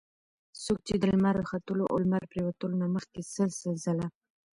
څوک چې د لمر ختلو او لمر پرېوتلو نه مخکي سل سل ځله